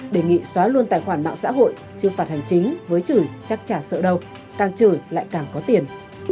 đề nghị xóa luôn tài khoản mạng xã hội chứ phạt hành chính với chửi chắc trả sợ đâu càng chửi lại càng có tiền